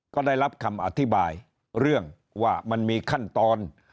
ก็ได้รับคำอธิบายเรื่องว่ามันมีขั้นตอน